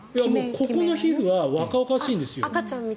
ここの皮膚は若々しいんですよ。